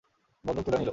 বন্দুক তুলে নিলো।